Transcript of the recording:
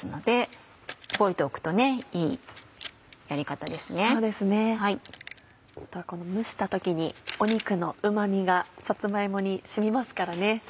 またこの蒸した時に肉のうま味がさつま芋に染みますからね。